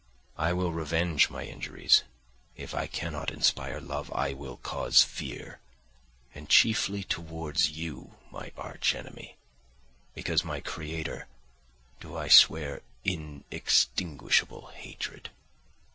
I will revenge my injuries; if I cannot inspire love, I will cause fear, and chiefly towards you my arch enemy, because my creator, do I swear inextinguishable hatred.